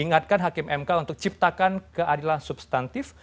ingatkan hakim mk untuk ciptakan keadilan substantif